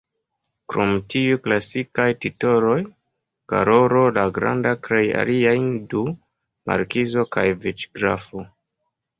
Krom tiuj "klasikaj" titoloj, Karolo la Granda kreis aliajn du: markizo kaj vicgrafo.